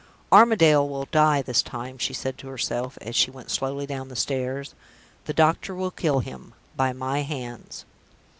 "Armadale will die this time," she said to herself, as she went slowly down the stairs. "The doctor will kill him, by my hands."